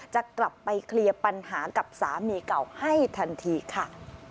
จะกลับไปเคลียร์ปัญหากับสามีเก่าให้ทันทีค่ะ